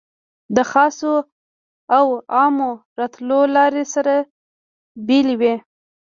د خاصو او عامو راتلو لارې سره بېلې وې.